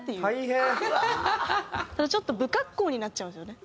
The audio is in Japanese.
だからちょっと不格好になっちゃうんですよね。